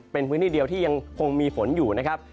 เป็นพื้นที่เดียวที่ยังคงมีฝนอยู่นะครับ